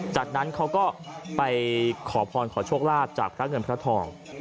จากนั้นเขาก็ไปขอพรขอโชคลาภจากพระเงินพระทอง